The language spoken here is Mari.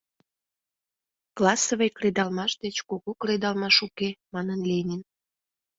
Классовый кредалмаш деч кугу кредалмаш уке, манын Ленин.